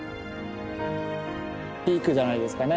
ピークじゃないですかね